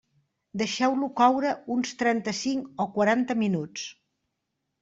Deixeu-lo coure uns trenta-cinc o quaranta minuts.